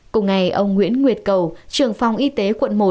cùng ngày ông nguyễn nguyệt cầu trưởng phòng y tế quận một